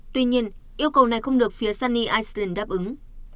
tuy nhiên yêu cầu này không được phía sunny istan đáp ứng